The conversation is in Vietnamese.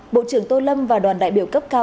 bộ trưởng tô lâm và đoàn đại biểu cấp cao